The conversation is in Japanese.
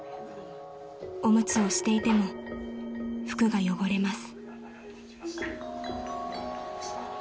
［おむつをしていても服が汚れます］